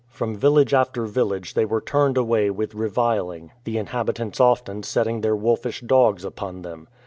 From village after village they were turned away with reviling, the inhabitants often setting their wolfish dogs upon them.